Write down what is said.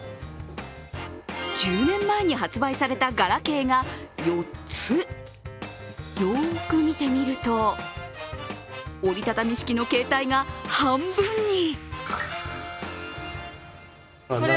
１０年前に発売されたガラケーが４つよーく見てみると折りたたみ式の携帯が半分に。